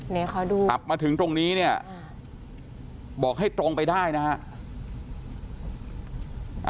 นี่ขอดูขับมาถึงตรงนี้เนี่ยบอกให้ตรงไปได้นะฮะ